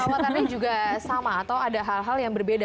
perawatannya juga sama atau ada hal hal yang berbeda